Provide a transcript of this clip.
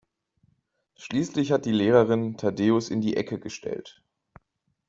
Schließlich hat die Lehrerin Thaddäus in die Ecke gestellt.